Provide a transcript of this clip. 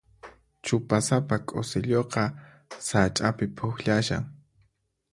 Chupasapa k'usilluqa sach'api pukllashan.